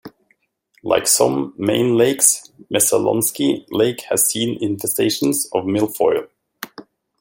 Like some Maine lakes, Messalonskee Lake has seen infestations of Milfoil.